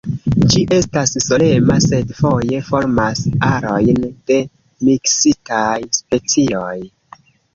Ĝi estas solema, sed foje formas arojn de miksitaj specioj.